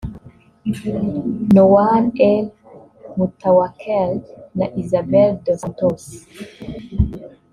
Nawal el Moutawakel na Isabel dos Santos